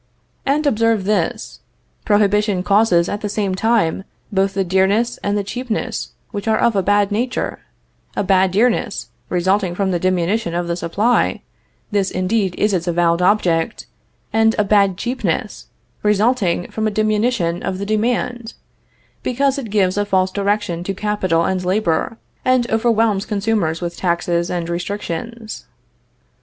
And observe this: Prohibition causes at the same time both the dearness and the cheapness which are of a bad nature; a bad dearness, resulting from a diminution of the supply (this indeed is its avowed object), and a bad cheapness, resulting from a diminution of the demand, because it gives a false direction to capital and labor, and overwhelms consumers with taxes and restrictions.